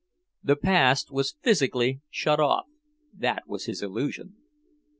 The past was physically shut off; that was his illusion.